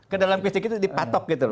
kedalam kisi kisi dipatok gitu loh